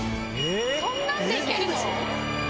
そんなんで行けるの？